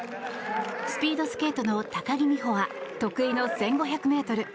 スピードスケートの高木美帆は得意の１５００ｍ。